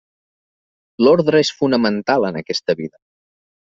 L'ordre és fonamental en aquesta vida.